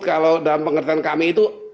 dalam pengertian kami itu